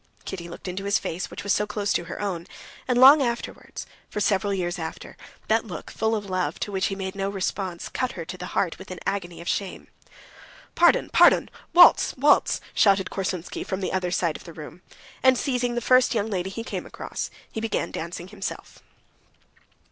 Kitty looked into his face, which was so close to her own, and long afterwards—for several years after—that look, full of love, to which he made no response, cut her to the heart with an agony of shame. "Pardon! pardon! Waltz! waltz!" shouted Korsunsky from the other side of the room, and seizing the first young lady he came across he began dancing himself.